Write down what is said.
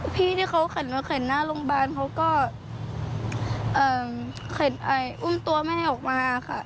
พี่ที่เขาเข็นหนูเข็นหน้าโรงพยาบาลเขาก็เข็นไออุ้มตัวไม่ให้ออกมาค่ะ